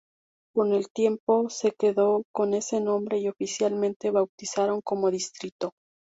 Con el tiempo se quedó con ese nombre y oficialmente lo bautizaron como distrito.